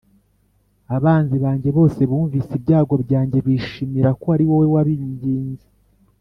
Abanzi banjye bose bumvise ibyago byanjye, Bishimira ko ari wowe wabingize.